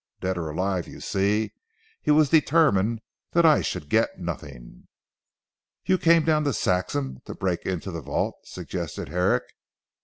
Dead or alive you see he was determined that I should get nothing." "You came down to Saxham to break into the vault?" suggested Herrick.